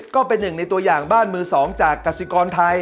ก็เป็นหนึ่งในตัวอย่างบ้านมือ๒จากกสิกรไทย